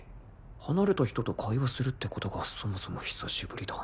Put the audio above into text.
離れた人と会話するってことがそもそも久しぶりだ